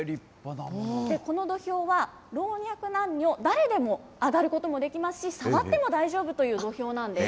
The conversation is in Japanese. この土俵は、老若男女、誰でも上がることもできますし、触っても大丈夫という土俵なんです。